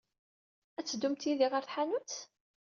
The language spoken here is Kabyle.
Ad teddumt yid-i ɣer tḥanut?